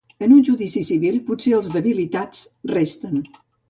En un judici civil, potser els debilitats, resten.